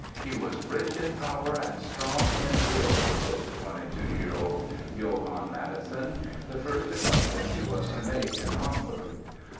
"He was rich in power and strong in will," wrote the 22 year old Johann Mattheson, the first acquaintance he was to make in Hamburg.